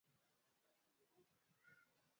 katika kipindi cha mwaka elfu mbili na kumi